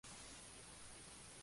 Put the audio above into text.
Actualmente es embajador en Croacia.